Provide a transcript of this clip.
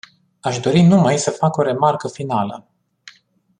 Aș dori numai să fac o remarcă finală.